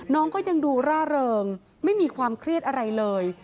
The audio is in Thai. น้องก็ยังดูร่าเริงไม่มีความเครียดอะไรเลย